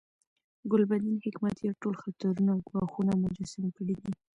ګلبدین حکمتیار ټول خطرونه او ګواښونه مجسم کړي دي.